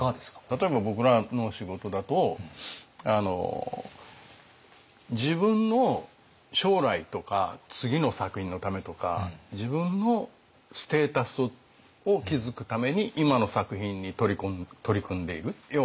例えば僕らの仕事だとあの自分の将来とか次の作品のためとか自分のステータスを築くために今の作品に取り組んでいる。